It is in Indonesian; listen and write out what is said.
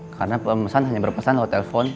karena pemesan hanya berpesan lewat telepon